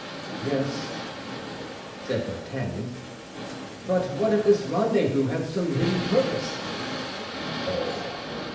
"Yes," said D'Artagnan; "but what if this rendezvous had some hidden purpose?" "Oh!"